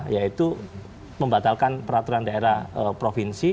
yaitu membatalkan peraturan daerah provinsi